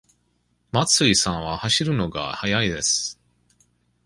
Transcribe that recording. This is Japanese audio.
松井さんは走るのが速いです。